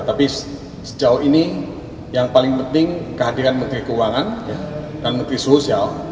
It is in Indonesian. tapi sejauh ini yang paling penting kehadiran menteri keuangan dan menteri sosial